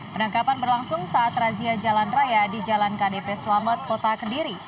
penangkapan berlangsung saat razia jalan raya di jalan kdp selamat kota kediri